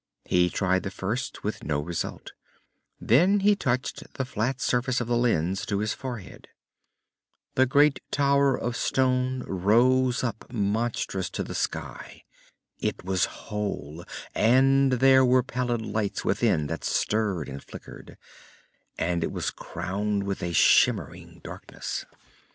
He tried the first, with no result. Then he touched the flat surface of the lens to his forehead. _The great tower of stone rose up monstrous to the sky. It was whole, and there were pallid lights within that stirred and flickered, and it was crowned with a shimmering darkness.